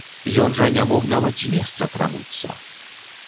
Ён жа не мог нават з месца крануцца.